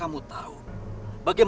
aku mau pencuri